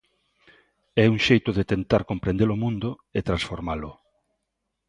É un xeito de tentar comprender o mundo e transformalo.